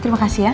terima kasih ya